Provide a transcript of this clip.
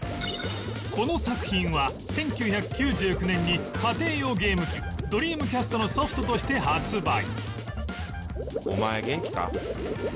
この作品は１９９９年に家庭用ゲーム機ドリームキャストのソフトとして発売